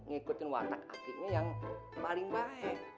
ngikutin watak atiknya yang paling baik